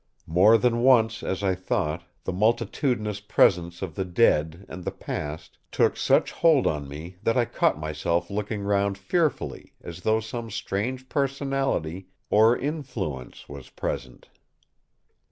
More than once as I thought, the multitudinous presence of the dead and the past took such hold on me that I caught myself looking round fearfully as though some strange personality or influence was present.